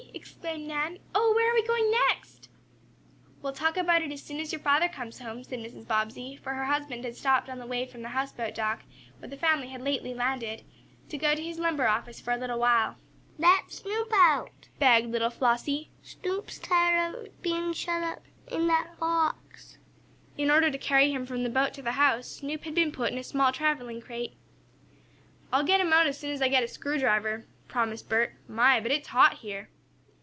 exclaimed Nan. "Oh, where are we going next?" "We'll talk about it as soon as your father comes home," said Mrs. Bobbsey, for her husband had stopped on the way from the houseboat dock, where the family had lately landed, to go to his lumber office for a little while. "Let Snoop out!" begged little Flossie. "Snoop's tired of being shut up in that box." In order to carry him from the boat to the house Snoop had been put in a small traveling crate. "I'll let him out as soon as I get a screwdriver," promised Bert. "My, but it's hot here!"